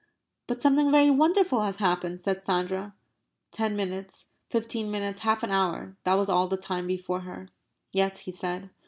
"But something very wonderful has happened," said Sandra. Ten minutes, fifteen minutes, half an hour that was all the time before her. "Yes," he said.